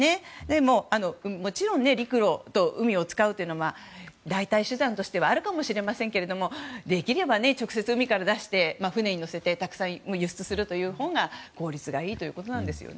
でも、もちろん陸路と海を使うというのは代替手段としてはあるかもしれませんけどできれば直接海から出して船に載せてたくさん輸出するほうが効率がいいということです。